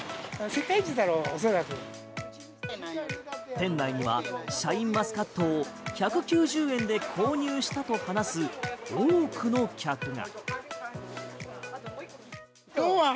店内にはシャインマスカットを１９０円で購入したと話す多くの客が。